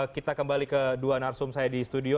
kita kembali ke dua narsum saya di studio